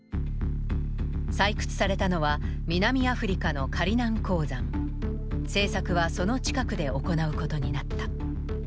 採掘されたのは南アフリカの製作はその近くで行うことになった。